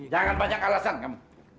jangan banyak alasan kamu